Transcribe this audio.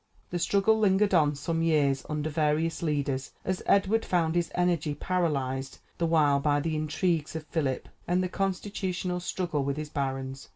The struggle lingered on some years under various leaders, as Edward found his energy paralyzed the while by the intrigues of Philip, and the constitutional struggle with his barons.